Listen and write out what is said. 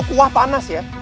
itu kuah panas ya